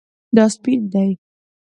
دا سپین دی